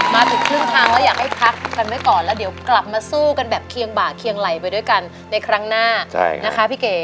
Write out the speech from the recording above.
มาถึงครึ่งทางแล้วอยากให้พักกันไว้ก่อนแล้วเดี๋ยวกลับมาสู้กันแบบเคียงบ่าเคียงไหลไปด้วยกันในครั้งหน้านะคะพี่เก๋